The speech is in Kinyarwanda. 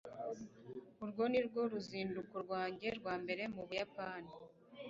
Urwo nirwo ruzinduko rwanjye rwa mbere mu Buyapani